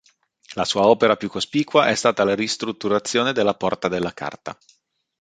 La sua opera più cospicua è stata la ristrutturazione della Porta della Carta.